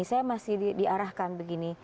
saya masih diarahkan begini